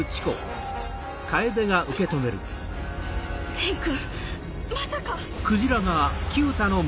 蓮君まさか！